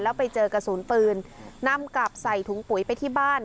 แล้วไปเจอกระสุนปืนนำกลับใส่ถุงปุ๋ยไปที่บ้าน